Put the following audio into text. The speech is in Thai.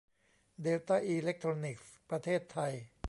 เดลต้า อีเลคโทรนิคส์ ประเทศไทย